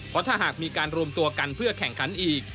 เพราะถ้าหากมีการรวมตัวกันเพื่อแข่งขันอีก